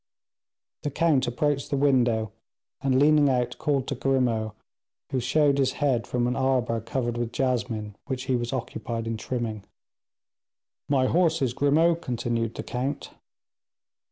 The count approached the window, and leaning out, called to Grimaud, who showed his head from an arbor covered with jasmine, which he was occupied in trimming. "My horses, Grimaud," continued the count.